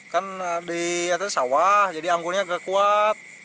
kan di atas sawah jadi angkuhnya kekuat